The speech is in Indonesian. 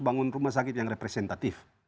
bangun rumah sakit yang representatif